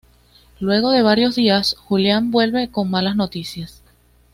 Luego de varios días, Julián vuelve con malas noticias.